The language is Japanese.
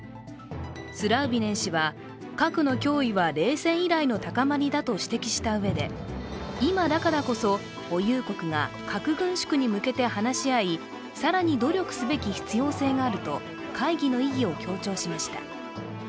スラウビネン氏は核の脅威は冷戦以来の高まりだと指摘したうえで、今だからこそ、保有国が核軍縮に向けて話し合い、更に努力すべき必要性があると会議の意義を強調しました。